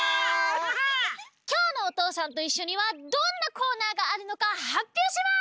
きょうの「おとうさんといっしょ」にはどんなコーナーがあるのかはっぴょうします！